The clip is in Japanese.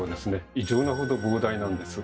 異常なほど膨大なんです。